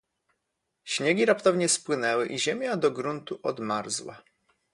"Śniegi raptownie spłynęły i ziemia do gruntu odmarzła."